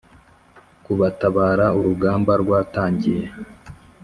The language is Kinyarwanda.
kubatabara Urugamba rwatangiye